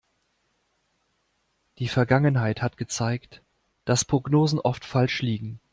Die Vergangenheit hat gezeigt, dass Prognosen oft falsch liegen.